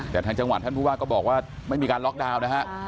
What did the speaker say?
แต่ทางจังหวัดท่านผู้ว่าก็บอกว่าไม่มีการล็อกดาวน์นะฮะ